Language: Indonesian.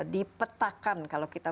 dipetakan kalau kita